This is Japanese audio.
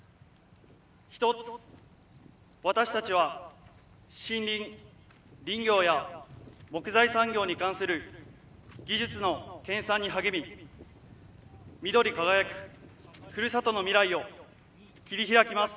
一つ私たちは森林・林業や木材産業に関する技術の研さんに励み緑輝くふるさとの未来を切り開きます。